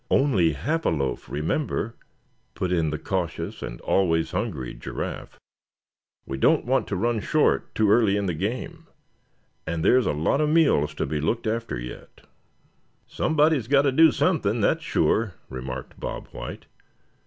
"Only half a loaf, remember," put in the cautious and always hungry Giraffe; "we don't want to run short too early in the game; and there's a lot of meals to be looked after yet." "Somebody's got to do something, that's sure," remarked Bob White.